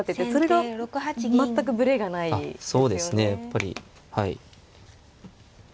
やっぱりはい。